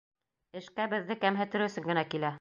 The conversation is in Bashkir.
Эшкә беҙҙе кәмһетер өсөн генә килә.